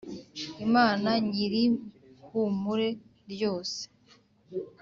Imana nyir ihumure ryose